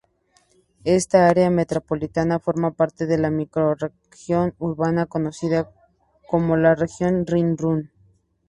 Esta área metropolitana forma parte de la macrorregión urbana conocida como la Región Rin-Ruhr.